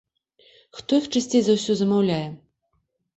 Хто іх часцей за ўсё замаўляе?